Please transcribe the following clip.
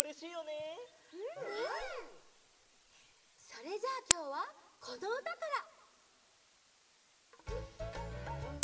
それじゃあきょうはこのうたから！